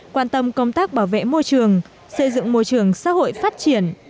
quan tâm công tác bảo vệ môi trường xây dựng môi trường xã hội phát triển